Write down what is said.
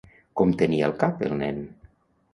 Com tenia el cap el nen?